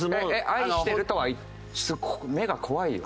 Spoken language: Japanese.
「愛してる」とはちょっと目が怖いよ。